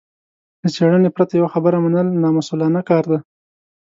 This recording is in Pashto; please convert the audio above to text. له څېړنې پرته يوه خبره منل نامسوولانه کار دی.